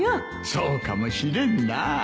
そうかもしれんな